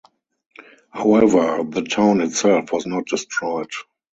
However, the town itself was not destroyed.